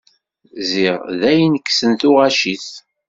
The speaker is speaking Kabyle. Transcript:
Ziɣ dayen kksen tuɣac-is.